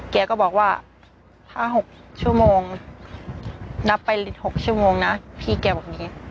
แกก็บอกว่าถ้า๖ชั่วโมงนับไป๖ชั่วโมงนะพี่แกบอกอย่างนี้